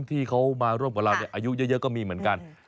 ที่เขามาร่วมกับเราอายุเยอะก็มีเหมือนกัน